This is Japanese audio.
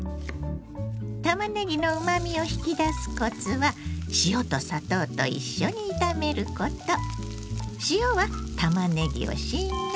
たまねぎのうまみを引き出すコツは塩と砂糖と一緒に炒めること。